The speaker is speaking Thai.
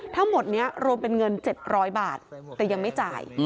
ทั้งหมดนี้รวมเป็นเงิน๗๐๐บาทแต่ยังไม่จ่าย